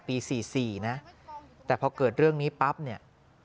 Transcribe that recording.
ปี๔๔นะแต่พอเกิดเรื่องนี้ปั๊บเนี่ย